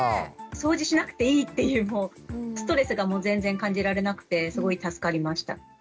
掃除しなくていいっていうストレスが全然感じられなくてすごい助かりました。